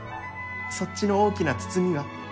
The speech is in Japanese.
そっちの大きな包みは？